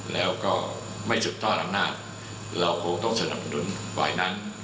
แล้วก็ไม่สุดทอดอำนาจเราคงต้องสนับสนุนฝ่ายนั้น